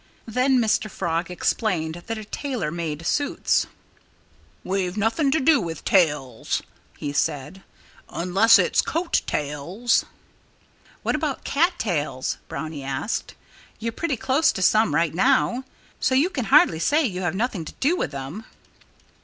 Then Mr. Frog explained that a tailor made suits. "We've nothing to do with tails," he said "unless it's coat tails." "What about cattails?" Brownie asked. "You're pretty close to some right now. So you can hardly say you have nothing to do with them."